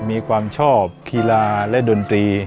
มีความชอบกีฬาและดนตรี